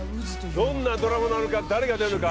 どんなドラマなのか誰が出るのか